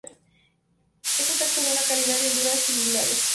Es un texto de una calidad y hondura singulares.